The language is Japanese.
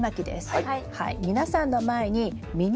はい。